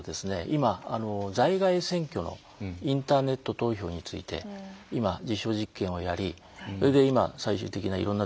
今在外選挙のインターネット投票について今実証実験をやりそれで今最終的ないろんなですね